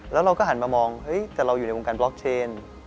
แล้วเราก็หันมามองแต่เราอยู่ในวงการบล็อกเชน